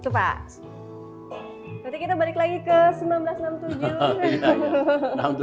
coba kita dengarkan